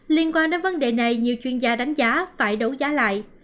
liên quan đến vấn đề này nhiều chuyên gia đánh giá phải đấu giá lại